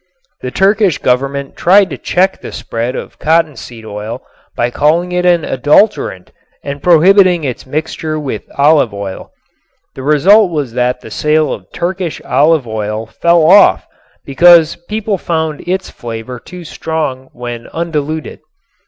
The Turkish Government tried to check the spread of cottonseed oil by calling it an adulterant and prohibiting its mixture with olive oil. The result was that the sale of Turkish olive oil fell off because people found its flavor too strong when undiluted.